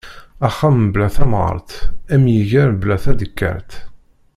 Axxam bla tamɣart am yiger bla tadekkart.